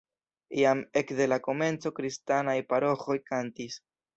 Jam ekde la komenco kristanaj paroĥoj kantis.